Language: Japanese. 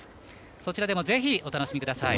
そちらもぜひお楽しみください。